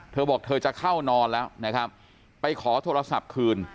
เธอบอกเธอจะเข้านอนแล้วนะครับไปขอโทรศัพท์คืน